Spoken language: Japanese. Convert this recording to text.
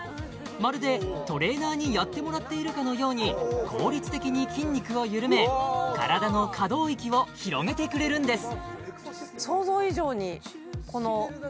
まるでトレーナーにやってもらっているかのように効率的に筋肉を緩め体の可動域を広げてくれるんです